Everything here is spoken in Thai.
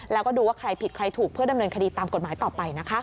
แล้วก็ดูว่าใครผิดใครถูกเพื่อดำเนินคดีตามกฎหมายต่อไปนะคะ